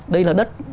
đây là đất